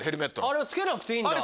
あれは着けなくていいんだ。